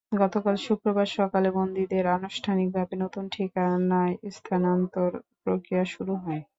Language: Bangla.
গতকাল শুক্রবার সকালে বন্দীদের আনুষ্ঠানিকভাবে নতুন ঠিকানায় স্থানান্তর প্রক্রিয়া শুরু হয়।